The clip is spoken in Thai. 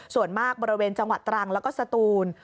ส่วนมากบริเวณจังหวัดตรังแล้วก็สตูน